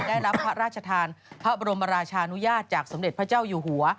ได้รับพระราชทานพระบรมราชานุญาตจากสมเด็จพระเจ้าอยู่หัว